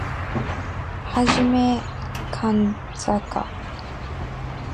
Hajime Kanzaka